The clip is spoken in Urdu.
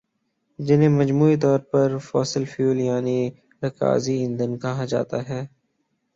جنہیں مجموعی طور پر فوسل فیول یعنی رکازی ایندھن کہا جاتا ہے